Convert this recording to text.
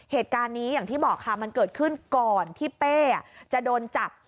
เหตุการณ์นี้อย่างที่บอกค่ะมันเกิดขึ้นก่อนที่เป้จะโดนจับ